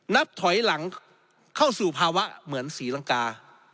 นับถอยหลังเข้าสู่ภาวะเหมือนศรีลังกา